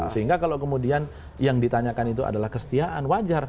sehingga kalau kemudian yang ditanyakan itu adalah kesetiaan wajar